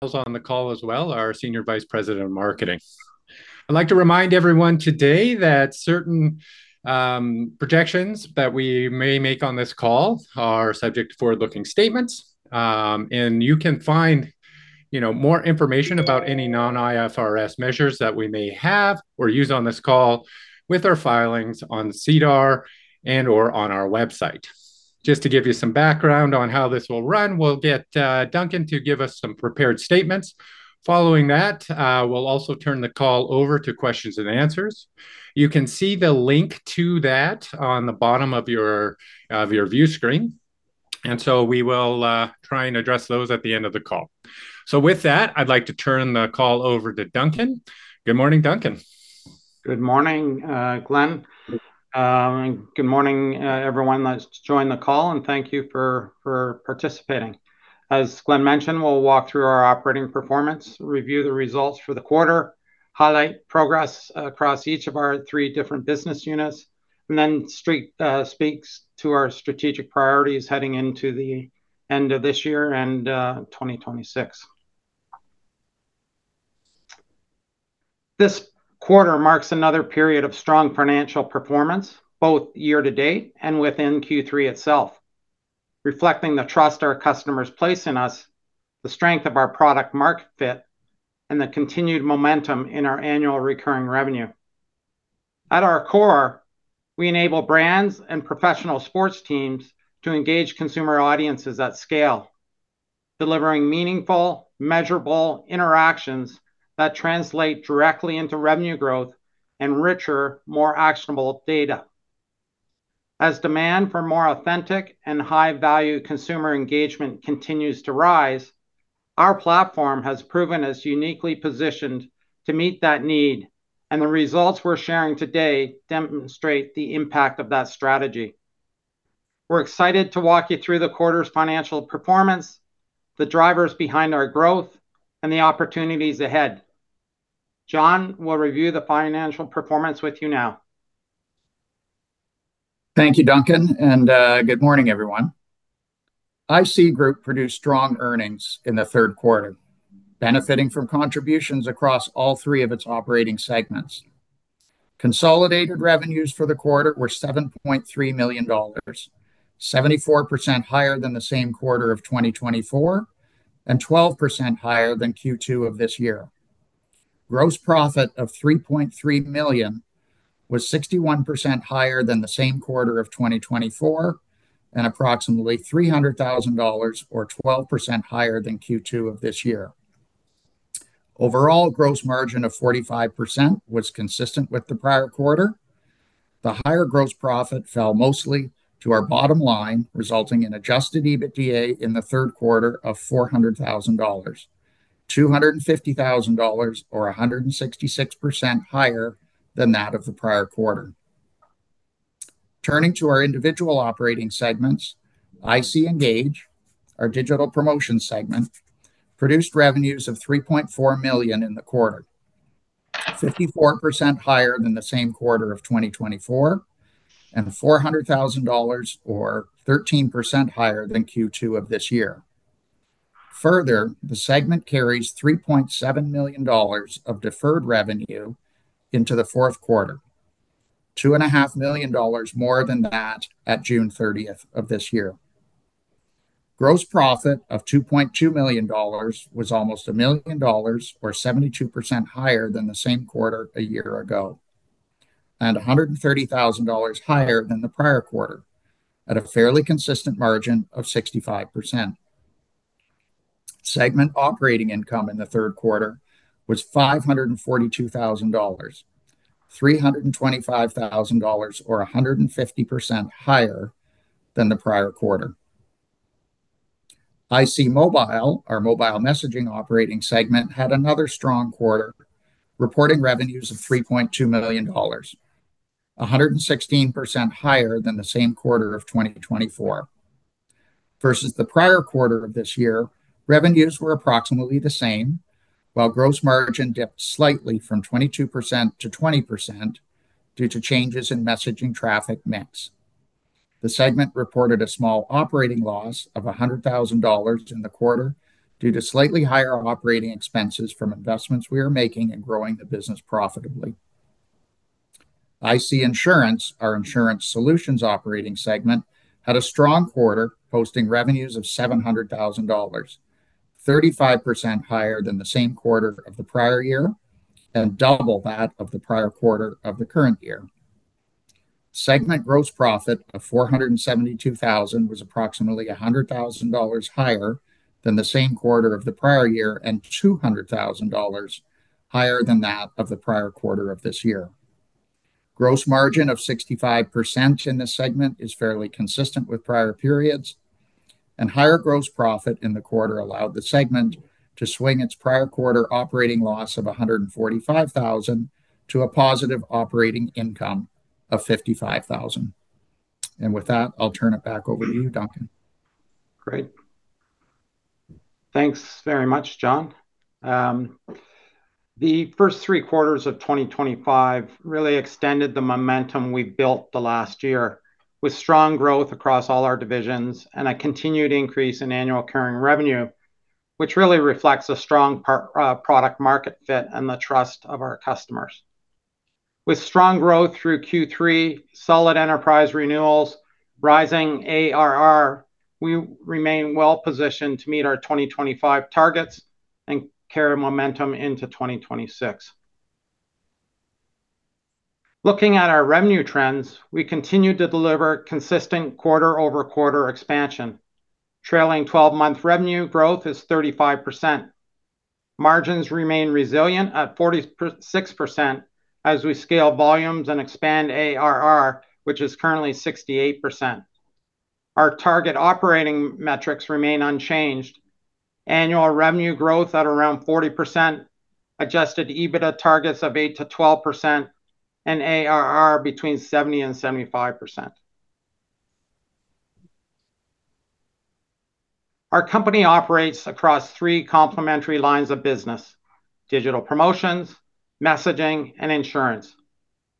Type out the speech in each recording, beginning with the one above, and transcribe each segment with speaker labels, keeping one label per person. Speaker 1: Also on the call as well, our Senior Vice President of Marketing. I'd like to remind everyone today that certain projections that we may make on this call are subject to forward-looking statements. You can find more information about any non-IFRS measures that we may have or use on this call with our filings on SEDAR+ and/or on our website. Just to give you some background on how this will run, we'll get Duncan to give us some prepared statements. Following that, we'll also turn the call over to questions and answers. You can see the link to that on the bottom of your view screen. We will try and address those at the end of the call. With that, I'd like to turn the call over to Duncan. Good morning, Duncan.
Speaker 2: Good morning, Glen. Good morning, everyone. Let's join the call and thank you for participating. As Glen mentioned, we'll walk through our operating performance, review the results for the quarter, highlight progress across each of our three different business units, and then speak to our strategic priorities heading into the end of this year and 2026. This quarter marks another period of strong financial performance, both year-to-date and within Q3 itself, reflecting the trust our customers place in us, the strength of our product market fit, and the continued momentum in our annual recurring revenue. At our core, we enable brands and professional sports teams to engage consumer audiences at scale, delivering meaningful, measurable interactions that translate directly into revenue growth and richer, more actionable data. As demand for more authentic and high-value consumer engagement continues to rise, our platform has proven as uniquely positioned to meet that need, and the results we're sharing today demonstrate the impact of that strategy. We're excited to walk you through the quarter's financial performance, the drivers behind our growth, and the opportunities ahead. John will review the financial performance with you now.
Speaker 3: Thank you, Duncan, and good morning, everyone. IC Group produced strong earnings in the third quarter, benefiting from contributions across all three of its operating segments. Consolidated revenues for the quarter were 7.3 million dollars, 74% higher than the same quarter of 2024 and 12% higher than Q2 of this year. Gross profit of 3.3 million was 61% higher than the same quarter of 2024 and approximately 300,000 dollars, or 12% higher than Q2 of this year. Overall, gross margin of 45% was consistent with the prior quarter. The higher gross profit fell mostly to our bottom line, resulting in adjusted EBITDA in the third quarter of 400,000 dollars, 250,000 dollars, or 166% higher than that of the prior quarter. Turning to our individual operating segments, IC Engage, our digital promotion segment, produced revenues of 3.4 million in the quarter, 54% higher than the same quarter of 2024 and 400,000 dollars, or 13% higher than Q2 of this year. Further, the segment carries 3.7 million dollars of deferred revenue into the fourth quarter, 2.5 million dollars more than that at June 30th of this year. Gross profit of 2.2 million dollars was almost 1 million dollars, or 72% higher than the same quarter a year ago, and 130,000 dollars higher than the prior quarter at a fairly consistent margin of 65%. Segment operating income in the third quarter was 542,000 dollars, 325,000 dollars, or 150% higher than the prior quarter. IC Mobile, our mobile messaging operating segment, had another strong quarter, reporting revenues of 3.2 million dollars, 116% higher than the same quarter of 2024. Versus the prior quarter of this year, revenues were approximately the same, while gross margin dipped slightly from 22% to 20% due to changes in messaging traffic mix. The segment reported a small operating loss of 100,000 dollars in the quarter due to slightly higher operating expenses from investments we are making and growing the business profitably. IC Insurance, our insurance solutions operating segment, had a strong quarter, posting revenues of 700,000 dollars, 35% higher than the same quarter of the prior year and double that of the prior quarter of the current year. Segment gross profit of 472,000 was approximately 100,000 dollars higher than the same quarter of the prior year and 200,000 dollars higher than that of the prior quarter of this year. Gross margin of 65% in this segment is fairly consistent with prior periods, and higher gross profit in the quarter allowed the segment to swing its prior quarter operating loss of 145,000 to a positive operating income of 55,000. With that, I'll turn it back over to you, Duncan.
Speaker 2: Great. Thanks very much, John. The first three quarters of 2025 really extended the momentum we built the last year with strong growth across all our divisions and a continued increase in annual recurring revenue, which really reflects a strong product market fit and the trust of our customers. With strong growth through Q3, solid enterprise renewals, rising ARR, we remain well-positioned to meet our 2025 targets and carry momentum into 2026. Looking at our revenue trends, we continue to deliver consistent quarter-over-quarter expansion. Trailing 12-month revenue growth is 35%. Margins remain resilient at 46% as we scale volumes and expand ARR, which is currently 68%. Our target operating metrics remain unchanged. Annual revenue growth at around 40%, adjusted EBITDA targets of 8%-12%, and ARR between 70%-75%. Our company operates across three complementary lines of business: digital promotions, messaging, and insurance,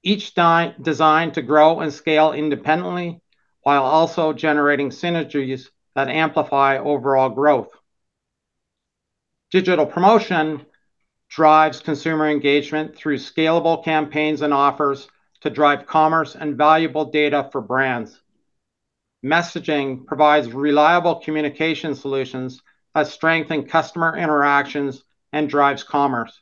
Speaker 2: each designed to grow and scale independently while also generating synergies that amplify overall growth. Digital promotions drive consumer engagement through scalable campaigns and offers to drive commerce and valuable data for brands. Messaging provides reliable communication solutions that strengthen customer interactions and drive commerce.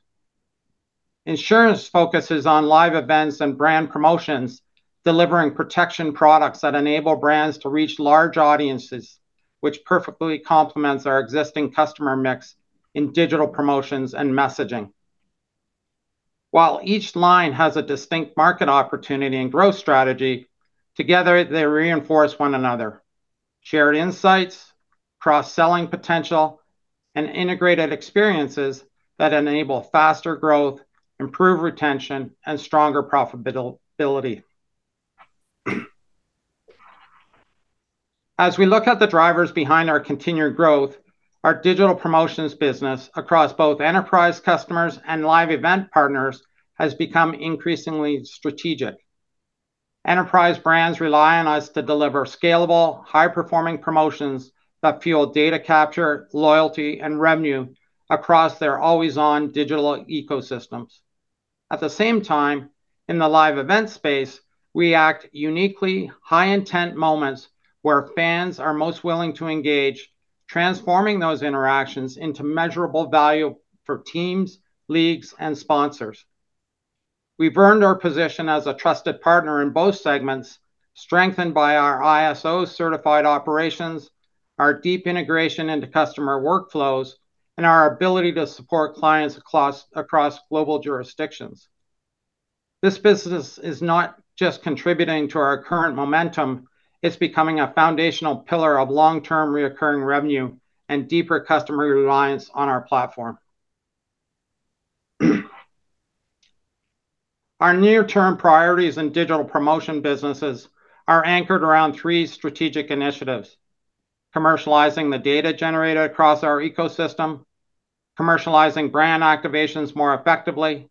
Speaker 2: Insurance focuses on live events and brand promotions, delivering protection products that enable brands to reach large audiences, which perfectly complements our existing customer mix in digital promotions and messaging. While each line has a distinct market opportunity and growth strategy, together, they reinforce one another: shared insights, cross-selling potential, and integrated experiences that enable faster growth, improved retention, and stronger profitability. As we look at the drivers behind our continued growth, our digital promotions business across both enterprise customers and live event partners has become increasingly strategic. Enterprise brands rely on us to deliver scalable, high-performing promotions that fuel data capture, loyalty, and revenue across their always-on digital ecosystems. At the same time, in the live event space, we act uniquely high-intent moments where fans are most willing to engage, transforming those interactions into measurable value for teams, leagues, and sponsors. We've earned our position as a trusted partner in both segments, strengthened by our ISO-certified operations, our deep integration into customer workflows, and our ability to support clients across global jurisdictions. This business is not just contributing to our current momentum. It's becoming a foundational pillar of long-term recurring revenue and deeper customer reliance on our platform. Our near-term priorities in digital promotion businesses are anchored around three strategic initiatives: commercializing the data generated across our ecosystem, commercializing brand activations more effectively,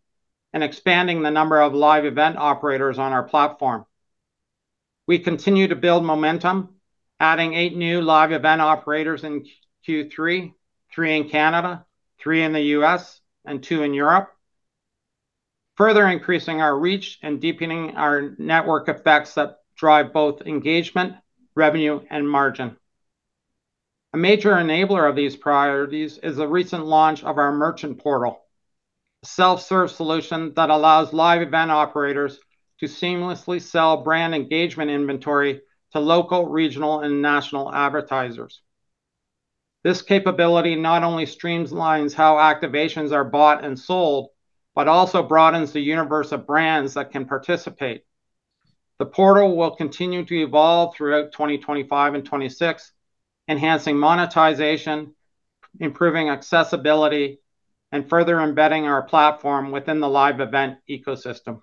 Speaker 2: and expanding the number of live event operators on our platform. We continue to build momentum, adding eight new live event operators in Q3, three in Canada, three in the U.S., and two in Europe, further increasing our reach and deepening our network effects that drive both engagement, revenue, and margin. A major enabler of these priorities is the recent launch of our merchant portal, a self-serve solution that allows live event operators to seamlessly sell brand engagement inventory to local, regional, and national advertisers. This capability not only streamlines how activations are bought and sold but also broadens the universe of brands that can participate. The portal will continue to evolve throughout 2025 and 2026, enhancing monetization, improving accessibility, and further embedding our platform within the live event ecosystem.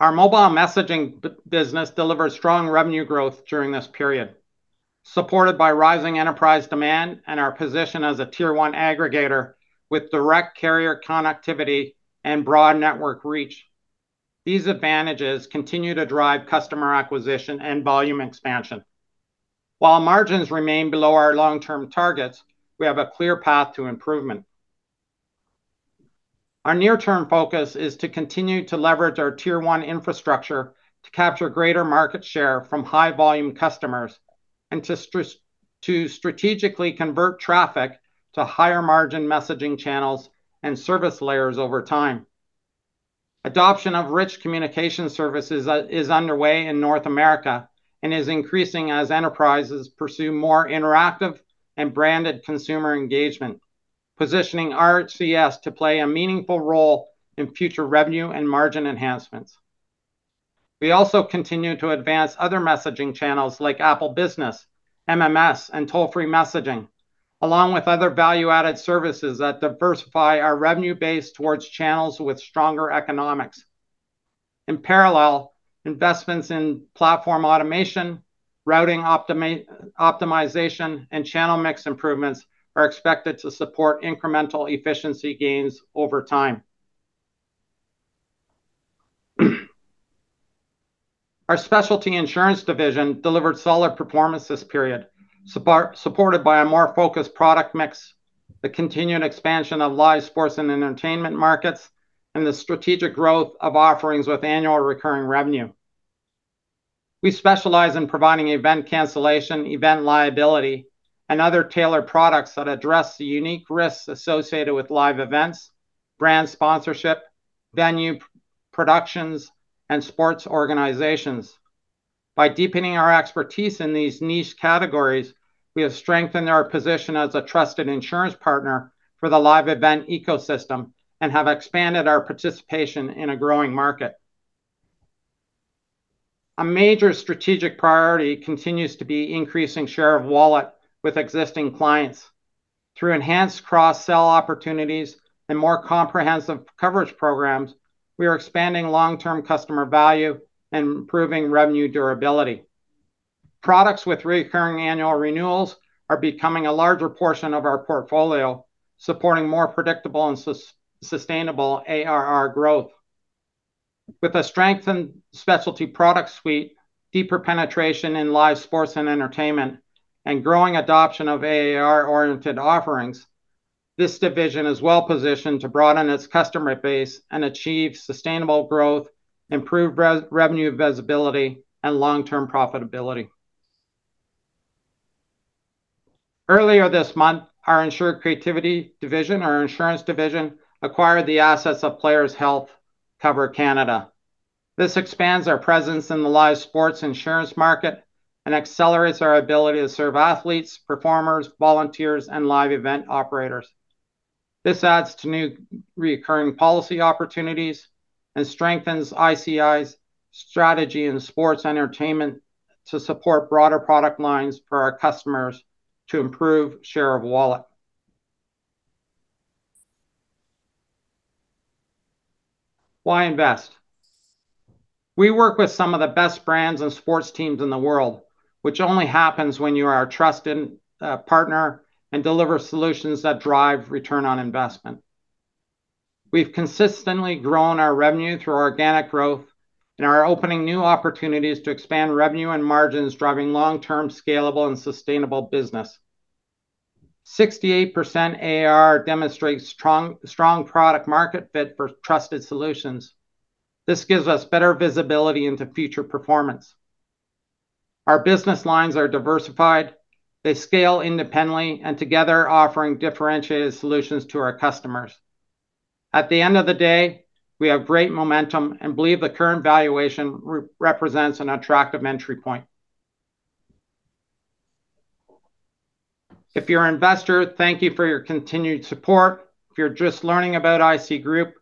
Speaker 2: Our mobile messaging business delivers strong revenue growth during this period, supported by rising enterprise demand and our position as a tier-one aggregator with direct carrier connectivity and broad network reach. These advantages continue to drive customer acquisition and volume expansion. While margins remain below our long-term targets, we have a clear path to improvement. Our near-term focus is to continue to leverage our tier-one infrastructure to capture greater market share from high-volume customers and to strategically convert traffic to higher-margin messaging channels and service layers over time. Adoption of rich communication services is underway in North America and is increasing as enterprises pursue more interactive and branded consumer engagement, positioning RCS to play a meaningful role in future revenue and margin enhancements. We also continue to advance other messaging channels like Apple Business, MMS, and toll-free messaging, along with other value-added services that diversify our revenue base towards channels with stronger economics. In parallel, investments in platform automation, routing optimization, and channel mix improvements are expected to support incremental efficiency gains over time. Our specialty insurance division delivered solid performance this period, supported by a more focused product mix, the continued expansion of live sports and entertainment markets, and the strategic growth of offerings with annual recurring revenue. We specialize in providing event cancellation, event liability, and other tailored products that address the unique risks associated with live events, brand sponsorship, venue productions, and sports organizations. By deepening our expertise in these niche categories, we have strengthened our position as a trusted insurance partner for the live event ecosystem and have expanded our participation in a growing market. A major strategic priority continues to be increasing share of wallet with existing clients. Through enhanced cross-sell opportunities and more comprehensive coverage programs, we are expanding long-term customer value and improving revenue durability. Products with recurring annual renewals are becoming a larger portion of our portfolio, supporting more predictable and sustainable ARR growth. With a strengthened specialty product suite, deeper penetration in live sports and entertainment, and growing adoption of ARR-oriented offerings, this division is well-positioned to broaden its customer base and achieve sustainable growth, improved revenue visibility, and long-term profitability. Earlier this month, our insured creativity division, our insurance division, acquired the assets of Players Health Cover Canada. This expands our presence in the live sports insurance market and accelerates our ability to serve athletes, performers, volunteers, and live event operators. This adds to new recurring policy opportunities and strengthens IC Group's strategy in sports entertainment to support broader product lines for our customers to improve share of wallet. Why invest? We work with some of the best brands and sports teams in the world, which only happens when you are a trusted partner and deliver solutions that drive return on investment. We've consistently grown our revenue through organic growth and are opening new opportunities to expand revenue and margins, driving long-term scalable and sustainable business. 68% ARR demonstrates strong product market fit for trusted solutions. This gives us better visibility into future performance. Our business lines are diversified. They scale independently and together, offering differentiated solutions to our customers. At the end of the day, we have great momentum and believe the current valuation represents an attractive entry point. If you're an investor, thank you for your continued support. If you're just learning about IC Group,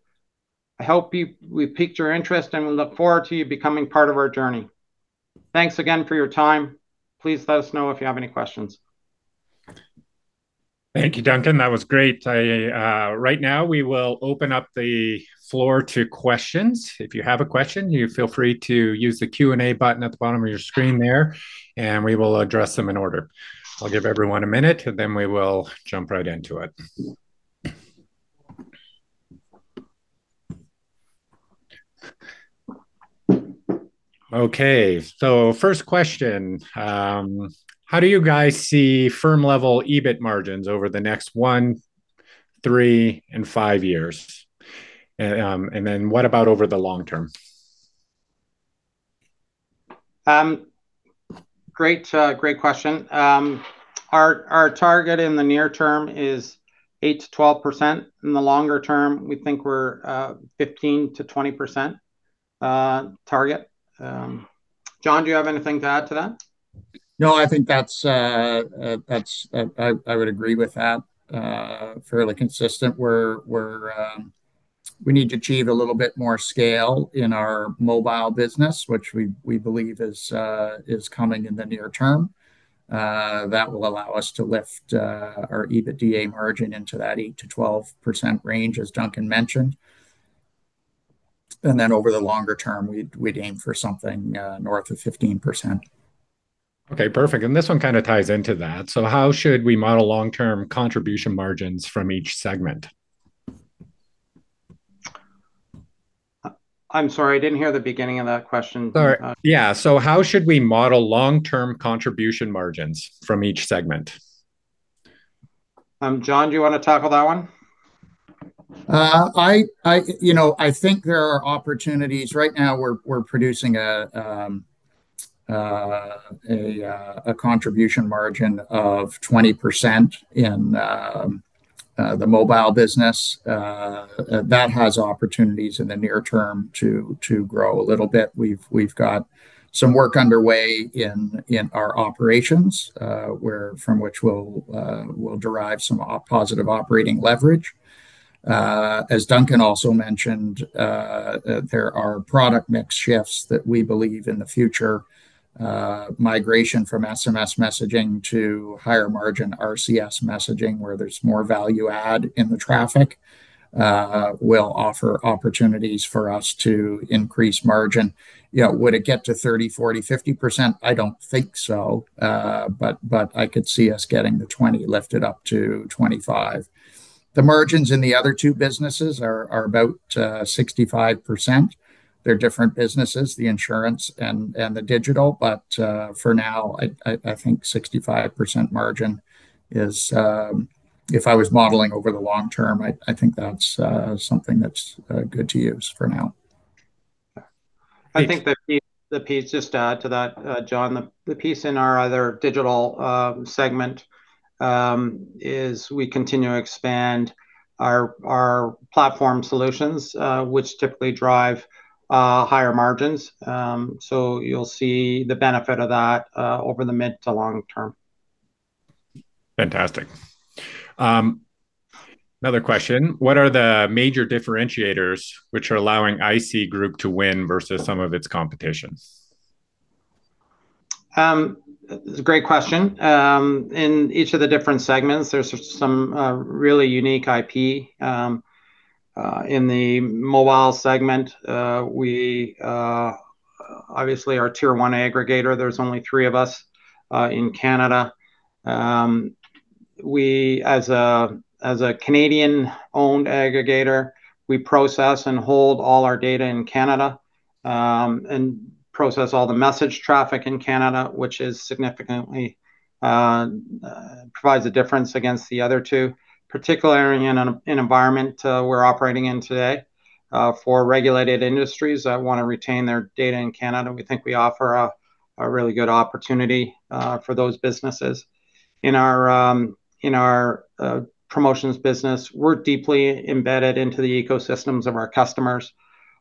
Speaker 2: I hope we piqued your interest and we look forward to you becoming part of our journey. Thanks again for your time. Please let us know if you have any questions.
Speaker 1: Thank you, Duncan. That was great. Right now, we will open up the floor to questions. If you have a question, you feel free to use the Q&A button at the bottom of your screen there, and we will address them in order. I'll give everyone a minute, and then we will jump right into it. Okay. First question, how do you guys see firm-level EBIT margins over the next one, three, and five years? What about over the long term?
Speaker 2: Great question. Our target in the near term is 8%-12%. In the longer term, we think we're 15%-20% target. John, do you have anything to add to that?
Speaker 3: No, I think I would agree with that. Fairly consistent. We need to achieve a little bit more scale in our mobile business, which we believe is coming in the near term. That will allow us to lift our EBITDA margin into that 8%-12% range, as Duncan mentioned. Over the longer term, we'd aim for something north of 15%.
Speaker 1: Okay, perfect. This one kind of ties into that. How should we model long-term contribution margins from each segment?
Speaker 2: I'm sorry, I didn't hear the beginning of that question.
Speaker 1: Sorry. Yeah. How should we model long-term contribution margins from each segment?
Speaker 2: John, do you want to tackle that one?
Speaker 3: I think there are opportunities. Right now, we're producing a contribution margin of 20% in the mobile business. That has opportunities in the near term to grow a little bit. We've got some work underway in our operations from which we'll derive some positive operating leverage. As Duncan also mentioned, there are product mix shifts that we believe in the future. Migration from SMS messaging to higher-margin RCS messaging, where there's more value-add in the traffic, will offer opportunities for us to increase margin. Would it get to 30%, 40%, 50%? I don't think so, but I could see us getting the 20% lifted up to 25%. The margins in the other two businesses are about 65%. They're different businesses, the insurance and the digital, but for now, I think 65% margin is, if I was modeling over the long term, I think that's something that's good to use for now.
Speaker 2: I think the piece just to add to that, John, the piece in our other digital segment is we continue to expand our platform solutions, which typically drive higher margins. You will see the benefit of that over the mid to long term.
Speaker 1: Fantastic. Another question. What are the major differentiators which are allowing IC Group to win versus some of its competition?
Speaker 2: Great question. In each of the different segments, there's some really unique IP. In the mobile segment, we obviously are a tier-one aggregator. There's only three of us in Canada. As a Canadian-owned aggregator, we process and hold all our data in Canada and process all the message traffic in Canada, which significantly provides a difference against the other two, particularly in an environment we're operating in today. For regulated industries that want to retain their data in Canada, we think we offer a really good opportunity for those businesses. In our promotions business, we're deeply embedded into the ecosystems of our customers.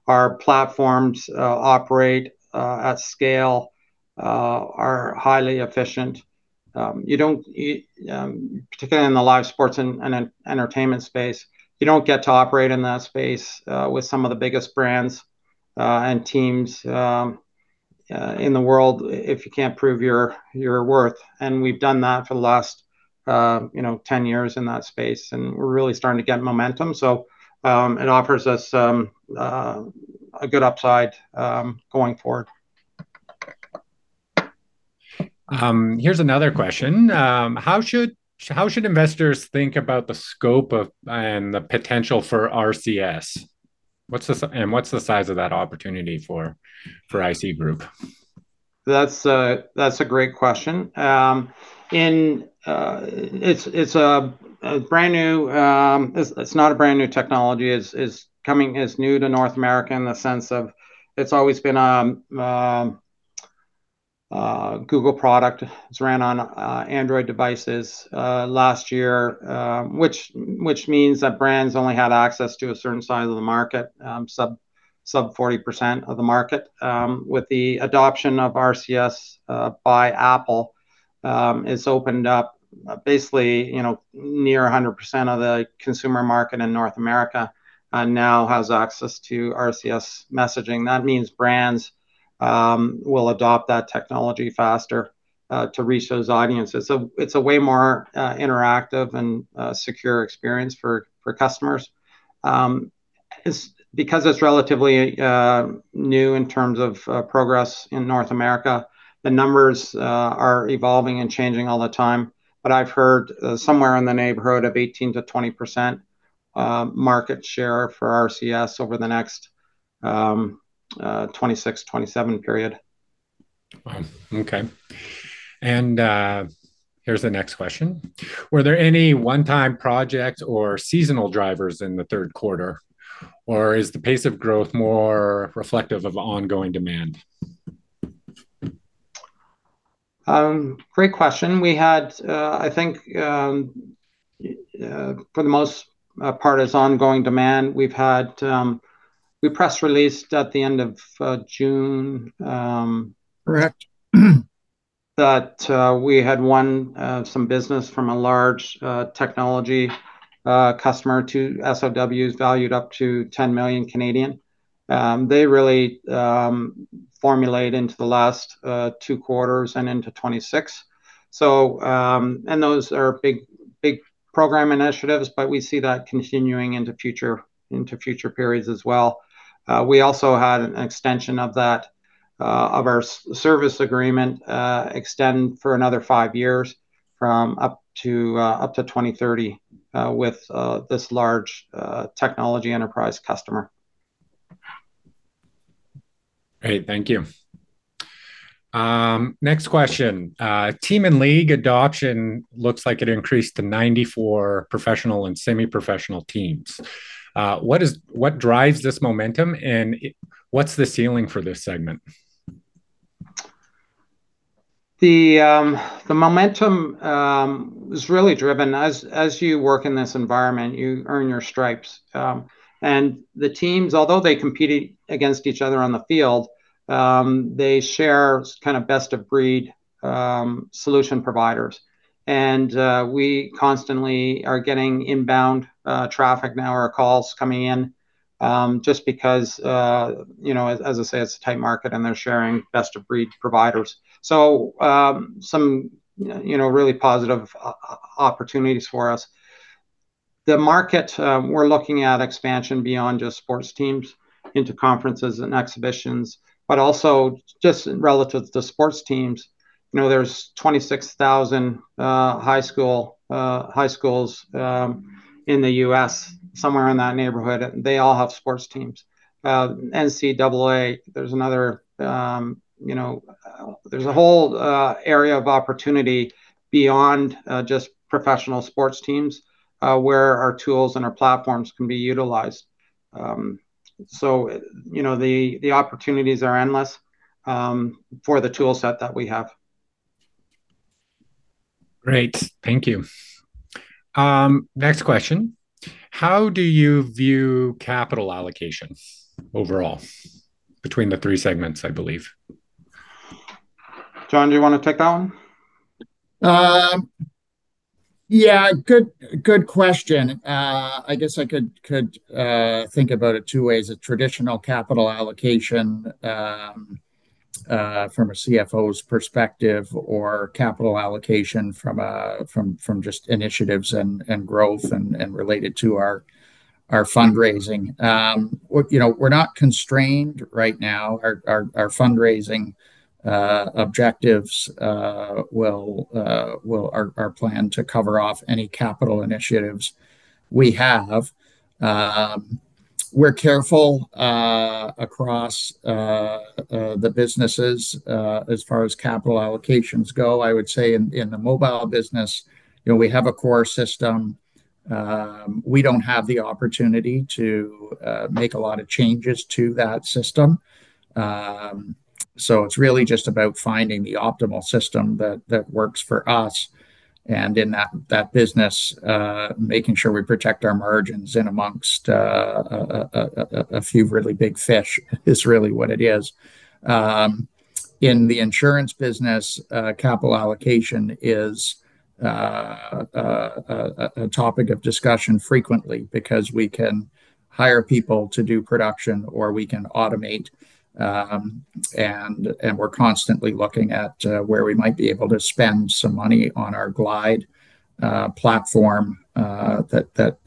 Speaker 2: Our platforms operate at scale, are highly efficient. Particularly in the live sports and entertainment space, you don't get to operate in that space with some of the biggest brands and teams in the world if you can't prove your worth. We have done that for the last 10 years in that space, and we are really starting to get momentum. It offers us a good upside going forward.
Speaker 1: Here's another question. How should investors think about the scope and the potential for RCS? What's the size of that opportunity for IC Group?
Speaker 2: That's a great question. It's a brand new—it's not a brand new technology. It's new to North America in the sense of it's always been a Google product. It ran on Android devices last year, which means that brands only had access to a certain size of the market, sub 40% of the market. With the adoption of RCS by Apple, it's opened up basically near 100% of the consumer market in North America and now has access to RCS messaging. That means brands will adopt that technology faster to reach those audiences. It's a way more interactive and secure experience for customers. Because it's relatively new in terms of progress in North America, the numbers are evolving and changing all the time. I've heard somewhere in the neighborhood of 18%-20% market share for RCS over the next 2026, 2027 period.
Speaker 1: Okay. Here's the next question. Were there any one-time projects or seasonal drivers in the third quarter, or is the pace of growth more reflective of ongoing demand?
Speaker 2: Great question. I think for the most part, it's ongoing demand. We press released at the end of June.
Speaker 3: Correct.
Speaker 2: That we had won some business from a large technology customer to SOWs valued up to 10 million. They really formulated into the last two quarters and into 2026. Those are big program initiatives, but we see that continuing into future periods as well. We also had an extension of our service agreement extend for another five years from up to 2030 with this large technology enterprise customer.
Speaker 1: Great. Thank you. Next question. Team and league adoption looks like it increased to 94 professional and semi-professional teams. What drives this momentum, and what's the ceiling for this segment?
Speaker 2: The momentum is really driven. As you work in this environment, you earn your stripes. The teams, although they compete against each other on the field, share kind of best-of-breed solution providers. We constantly are getting inbound traffic now or calls coming in just because, as I say, it's a tight market and they're sharing best-of-breed providers. Some really positive opportunities for us. The market, we're looking at expansion beyond just sports teams into conferences and exhibitions, but also just relative to sports teams. There are 26,000 high schools in the US, somewhere in that neighborhood. They all have sports teams. NCAA, there's another—there's a whole area of opportunity beyond just professional sports teams where our tools and our platforms can be utilized. The opportunities are endless for the toolset that we have.
Speaker 1: Great. Thank you. Next question. How do you view capital allocations overall between the three segments, I believe?
Speaker 2: John, do you want to take that one?
Speaker 3: Yeah. Good question. I guess I could think about it two ways: a traditional capital allocation from a CFO's perspective or capital allocation from just initiatives and growth and related to our fundraising. We're not constrained right now. Our fundraising objectives will, our plan to cover off any capital initiatives we have. We're careful across the businesses as far as capital allocations go. I would say in the mobile business, we have a core system. We don't have the opportunity to make a lot of changes to that system. It is really just about finding the optimal system that works for us. In that business, making sure we protect our margins in amongst a few really big fish is really what it is. In the insurance business, capital allocation is a topic of discussion frequently because we can hire people to do production or we can automate. We are constantly looking at where we might be able to spend some money on our Glide platform that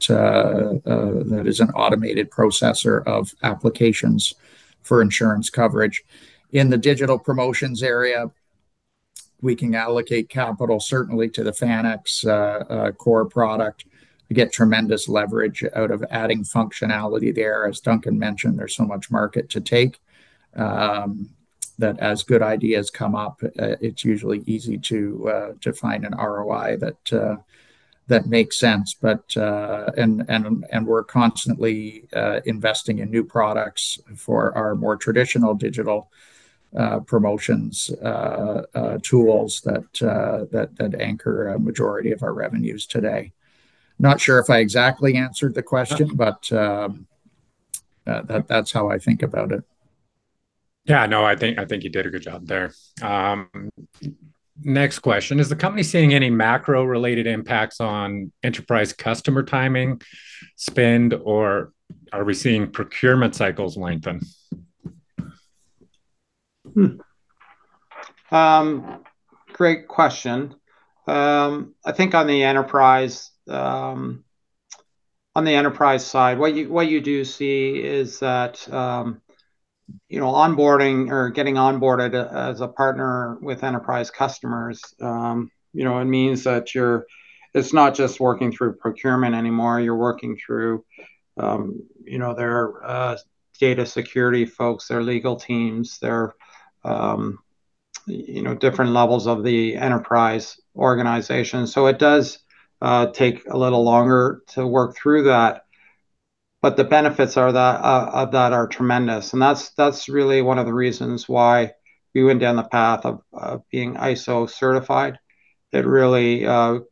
Speaker 3: is an automated processor of applications for insurance coverage. In the digital promotions area, we can allocate capital certainly to the FanX core product. We get tremendous leverage out of adding functionality there. As Duncan mentioned, there is so much market to take that as good ideas come up, it is usually easy to find an ROI that makes sense. We are constantly investing in new products for our more traditional digital promotions tools that anchor a majority of our revenues today. Not sure if I exactly answered the question, but that is how I think about it.
Speaker 1: Yeah. No, I think you did a good job there. Next question. Is the company seeing any macro-related impacts on enterprise customer timing spend, or are we seeing procurement cycles lengthen?
Speaker 2: Great question. I think on the enterprise side, what you do see is that onboarding or getting onboarded as a partner with enterprise customers, it means that it's not just working through procurement anymore. You're working through their data security folks, their legal teams, their different levels of the enterprise organization. It does take a little longer to work through that. The benefits of that are tremendous. That's really one of the reasons why we went down the path of being ISO-certified. It really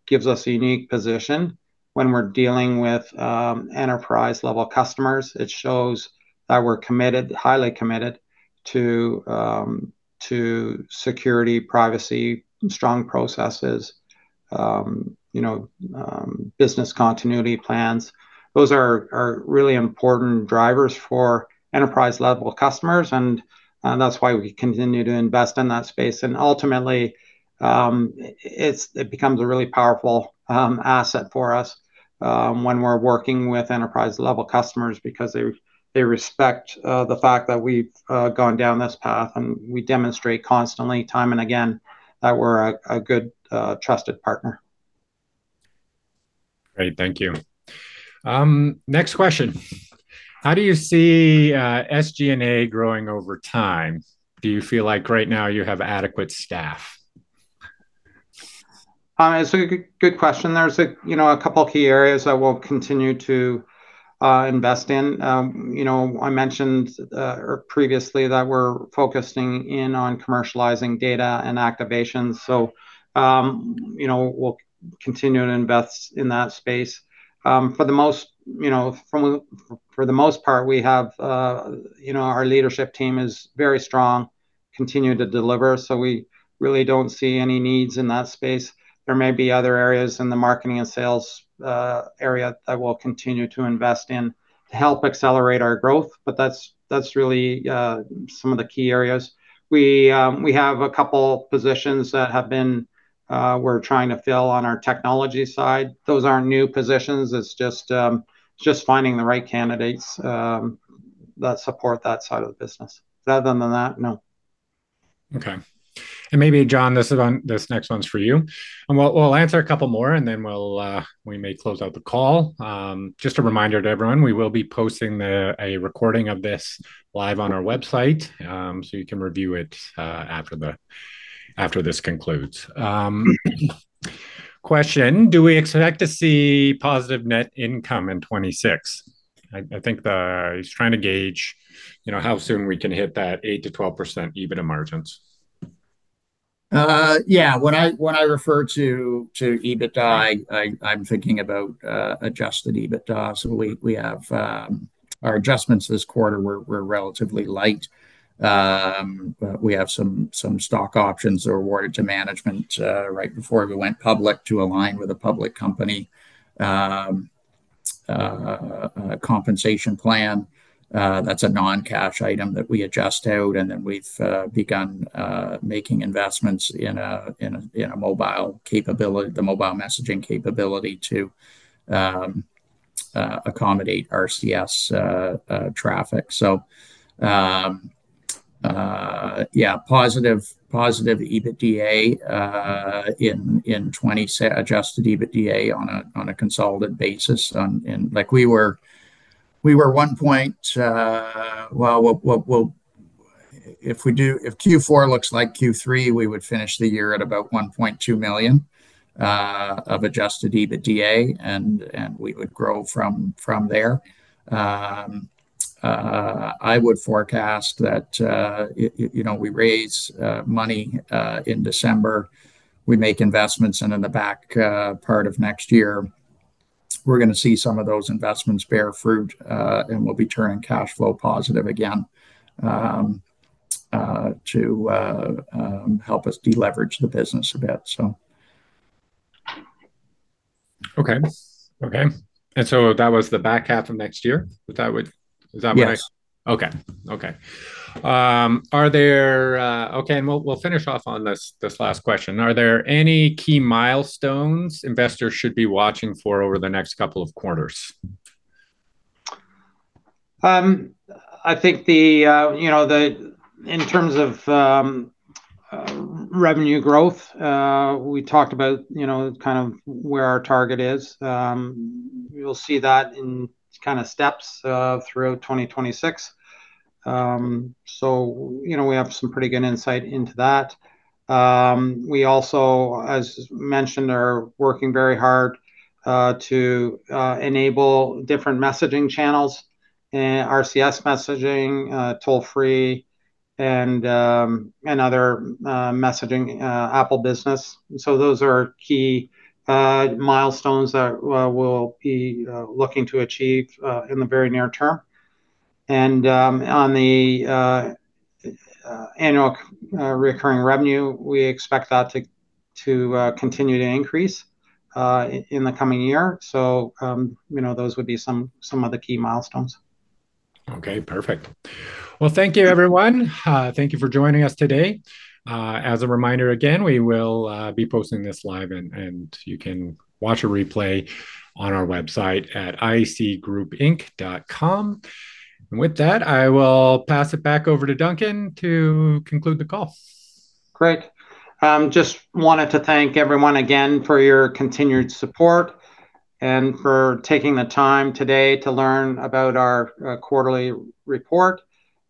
Speaker 2: gives us a unique position when we're dealing with enterprise-level customers. It shows that we're committed, highly committed to security, privacy, strong processes, business continuity plans. Those are really important drivers for enterprise-level customers. That's why we continue to invest in that space. Ultimately, it becomes a really powerful asset for us when we're working with enterprise-level customers because they respect the fact that we've gone down this path and we demonstrate constantly, time and again, that we're a good, trusted partner.
Speaker 1: Great. Thank you. Next question. How do you see SG&A growing over time? Do you feel like right now you have adequate staff?
Speaker 2: That's a good question. There are a couple of key areas that we'll continue to invest in. I mentioned previously that we're focusing in on commercializing data and activations. We'll continue to invest in that space. For the most part, our leadership team is very strong and continues to deliver. We really do not see any needs in that space. There may be other areas in the marketing and sales area that we'll continue to invest in to help accelerate our growth. That is really some of the key areas. We have a couple of positions that we're trying to fill on our technology side. Those are not new positions. It is just finding the right candidates that support that side of the business. Other than that, no.
Speaker 1: Okay. Maybe, John, this next one's for you. We'll answer a couple more, and then we may close out the call. Just a reminder to everyone, we will be posting a recording of this live on our website so you can review it after this concludes. Question. Do we expect to see positive net income in 2026? I think he's trying to gauge how soon we can hit that 8%-12% EBITDA margins.
Speaker 3: Yeah. When I refer to EBITDA, I'm thinking about adjusted EBITDA. Our adjustments this quarter were relatively light. We have some stock options that were awarded to management right before we went public to align with a public company compensation plan. That's a non-cash item that we adjust out. We have begun making investments in the mobile messaging capability to accommodate RCS traffic. Positive EBITDA in 2026, adjusted EBITDA on a consolidated basis. We were at one point, if Q4 looks like Q3, we would finish the year at about 1.2 million of adjusted EBITDA, and we would grow from there. I would forecast that we raise money in December. We make investments. In the back part of next year, we're going to see some of those investments bear fruit, and we'll be turning cash flow positive again to help us deleverage the business a bit.
Speaker 1: Okay. Okay. That was the back half of next year. Is that right?
Speaker 3: Yes.
Speaker 1: Okay. Okay. Okay. We'll finish off on this last question. Are there any key milestones investors should be watching for over the next couple of quarters?
Speaker 2: I think in terms of revenue growth, we talked about kind of where our target is. We'll see that in kind of steps throughout 2026. We have some pretty good insight into that. We also, as mentioned, are working very hard to enable different messaging channels: RCS messaging, toll-free, and other messaging Apple Business. Those are key milestones that we'll be looking to achieve in the very near term. On the annual recurring revenue, we expect that to continue to increase in the coming year. Those would be some of the key milestones.
Speaker 1: Okay. Perfect. Thank you, everyone. Thank you for joining us today. As a reminder again, we will be posting this live, and you can watch a replay on our website at icgroupinc.com. With that, I will pass it back over to Duncan to conclude the call.
Speaker 2: Great. Just wanted to thank everyone again for your continued support and for taking the time today to learn about our quarterly report.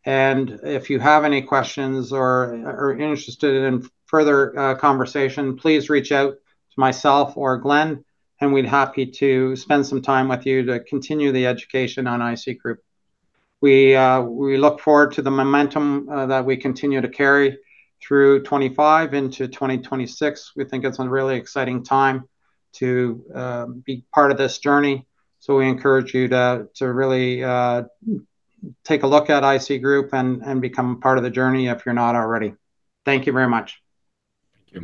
Speaker 2: If you have any questions or are interested in further conversation, please reach out to myself or Glen, and we'd be happy to spend some time with you to continue the education on IC Group. We look forward to the momentum that we continue to carry through 2025 into 2026. We think it's a really exciting time to be part of this journey. We encourage you to really take a look at IC Group and become part of the journey if you're not already. Thank you very much.
Speaker 3: Thank you.